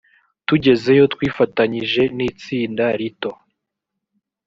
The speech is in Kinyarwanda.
tugezeyo twifatanyije n itsinda rito